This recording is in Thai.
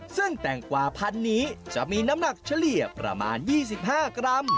ซึ่งแตงกว่าพันนี้จะมีน้ำหนักเฉลี่ยประมาณ๒๕กรัม